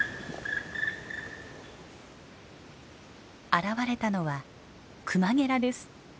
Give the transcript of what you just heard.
現れたのはクマゲラです。